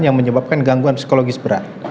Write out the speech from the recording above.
yang menyebabkan gangguan psikologis berat